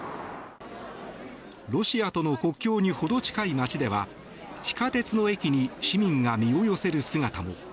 ロシアとの国境にほど近い街では地下鉄の駅に市民が身を寄せる姿も。